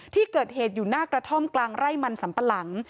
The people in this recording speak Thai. ที่เกิดเหตุอยู่หน้ากระท่อมกลางไร่มันสัมปะหลัง